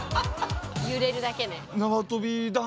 揺れるだけね。